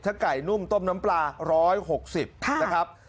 ถ้าไก่นุ่มต้มน้ำปลาร้อยหกสิบนะครับ